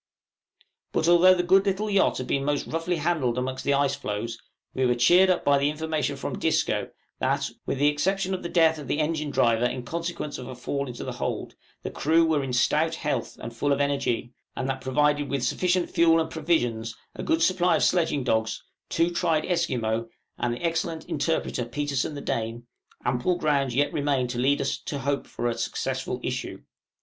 But although the good little yacht had been most roughly handled among the ice floes (see Frontispiece), we were cheered up by the information from Disco, that, with the exception of the death of the engine driver in consequence of a fall into the hold, the crew were in stout health and full of energy, and that provided with sufficient fuel and provisions, a good supply of sledging dogs, two tried Esquimaux, and the excellent interpreter Petersen the Dane, ample grounds yet remained to lead us to hope for a successful issue.